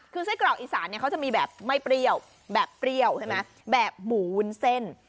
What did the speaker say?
คือไส้กรอกอีสานเนี่ยเขาจะมีแบบไม่เปรี้ยวแบบเปรี้ยวใช่ไหมแบบหมูวุ้นเส้น